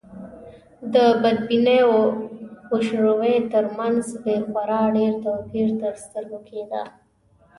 د بدبینۍ او خوشروی تر منځ یې خورا ډېر توپير تر سترګو کېده.